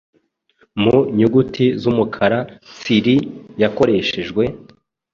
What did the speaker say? mu nyuguti z’umukara tsiri yakoreshejwe: